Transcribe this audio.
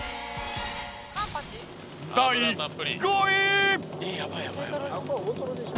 第５位。